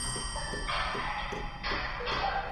موږ به دا ګام په پوره باور سره پورته کړو.